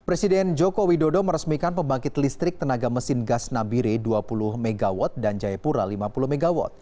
presiden joko widodo meresmikan pembangkit listrik tenaga mesin gas nabire dua puluh mw dan jayapura lima puluh mw